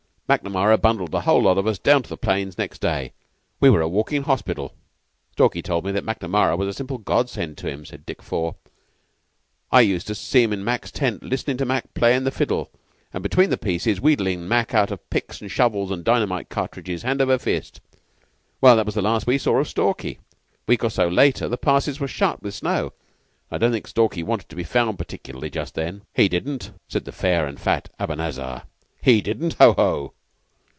Macnamara bundled the whole lot of us down to the plains next day. We were a walkin' hospital." "Stalky told me that Macnamara was a simple godsend to him," said Dick Four. "I used to see him in Mac's tent listenin' to Mac playin' the fiddle, and, between the pieces, wheedlin' Mac out of picks and shovels and dynamite cartridges hand over fist. Well, that was the last we saw of Stalky. A week or so later the passes were shut with snow, and I don't think Stalky wanted to be found particularly just then." "He didn't," said the fair and fat Abanazar. "He didn't. Ho, ho!"